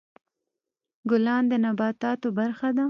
ګلان د نباتاتو برخه ده.